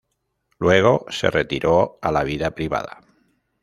Luego se retiró a la vida privada.